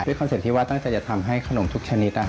คอนเซ็ตที่ว่าตั้งใจจะทำให้ขนมทุกชนิด